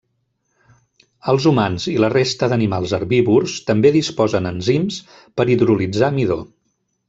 Els humans i la resta d'animals herbívors també disposen enzims per hidrolitzar midó.